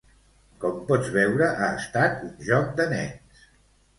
Com pots veure ha estat un joc de nens.